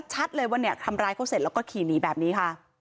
ชัดเลยว่าเนี่ยทำร้ายเขาเสร็จแล้วก็ขี่หนีแบบนี้ค่ะ